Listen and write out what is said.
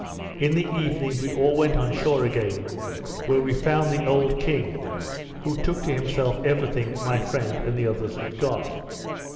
In the evening we all went on shore again, where we found the old king, who took to himself every thing my friend and the others had got.